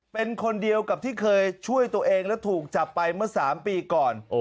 เป็นคนเดียวกับที่เคยช่วยตัวเองและถูกจับไปเมื่อ๓ปีก่อน